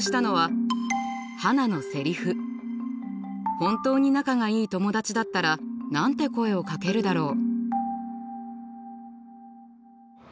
本当に仲がいい友達だったら何て声をかけるだろう？